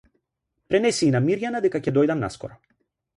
Пренеси и на Мирјана дека ќе дојдам наскоро.